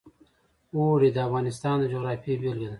اوړي د افغانستان د جغرافیې بېلګه ده.